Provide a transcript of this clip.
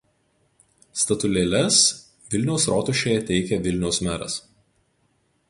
Statulėles Vilniaus rotušėje teikia Vilniaus meras.